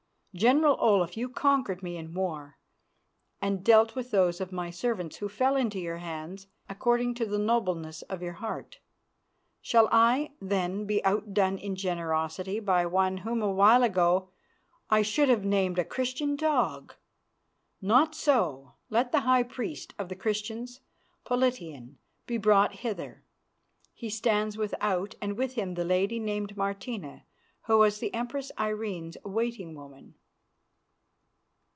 General Olaf, you conquered me in war and dealt with those of my servants who fell into your hands according to the nobleness of your heart. Shall I, then, be outdone in generosity by one whom a while ago I should have named a Christian dog? Not so! Let the high priest of the Christians, Politian, be brought hither. He stands without, and with him the lady named Martina, who was the Empress Irene's waiting woman."